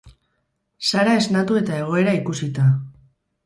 Sara esnatu eta egoera ikusita.